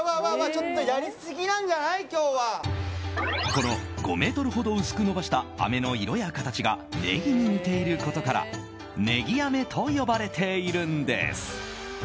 この５ｍほど薄く延ばしたあめの色や形がネギに似ていることからネギあめと呼ばれているんです。